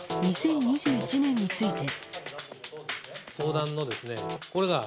２０２１年について。